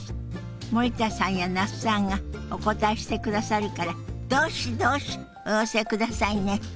森田さんや那須さんがお答えしてくださるからどしどしお寄せくださいね！